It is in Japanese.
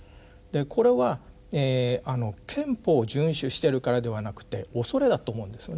これは憲法を遵守してるからではなくて恐れだと思うんですよね。